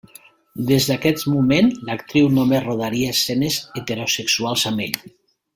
Des d'aquest moment, l'actriu només rodaria escenes heterosexuals amb ell.